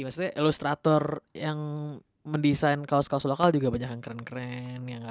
maksudnya ilustrator yang mendesain kaos kaos lokal juga banyak yang keren keren